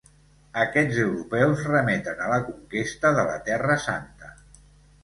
Aquests europeus remeten a la conquesta de la Terra Santa.